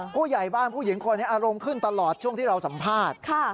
ผู้ใหญ่บ้านผู้หญิงคนนี้อารมณ์ขึ้นตลอดช่วงที่เราสัมภาษณ์